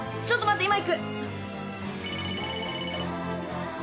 ちょっと待って。